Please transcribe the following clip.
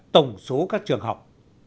tổng số các trường học